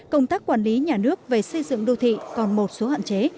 công tác quản lý nhà nước về xây dựng đô thị còn một số hạn chế